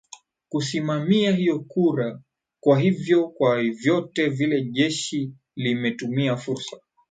kusimamia hiyo kura kwa hivyo kwa vyote vile jeshi lime limetumia fursa